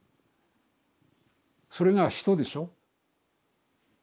それが人でしょ。